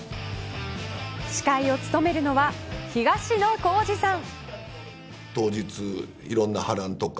司会を務めるのは東野幸治さん。